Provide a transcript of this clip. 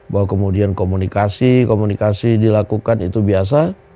bahwa kemudian komunikasi komunikasi dilakukan itu biasa